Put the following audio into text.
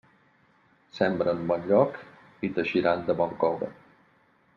Sembra en bon lloc i t'eixiran de bon coure.